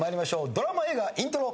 ドラマ・映画イントロ。